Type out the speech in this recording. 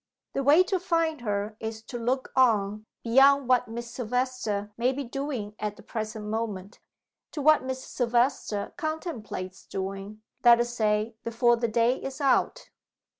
The way to find her is to look on, beyond what Miss Silvester may be doing at the present moment, to what Miss Silvester contemplates doing let us say, before the day is out.